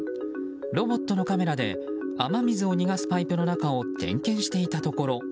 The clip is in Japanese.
ロボットのカメラで雨水を逃がすパイプの中を点検していたところ